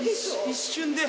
一瞬で。